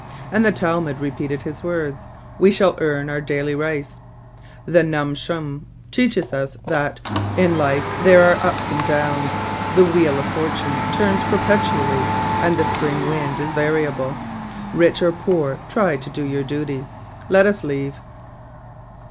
And the Talmud re peated his words. We shall earn our daily rice. The * Nun Schum ' teaches us that, * In life there are ups and downs. The wheel of fortune turns perpetually, and the spring wind is variable. Rich or poor, try to do your duty.' Let us leave."